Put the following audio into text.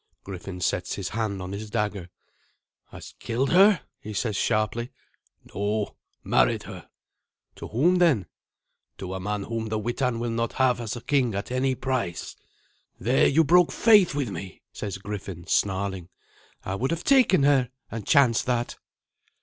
Griffin sets his hand on his dagger. "Hast killed her?" he says sharply. "No; married her." "To whom, then?" "To a man whom the Witan will not have as a king at any price." "There you broke faith with me," says Griffin, snarling. "I would have taken her, and chanced that."